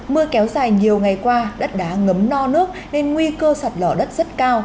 mưa kéo dài nhiều ngày qua đất đá ngấm no nước nên nguy cơ sạt lở đất rất cao